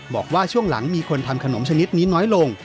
บอกว่าช่วงหลังมีคนทำขนมชนิดนี้น้อยลง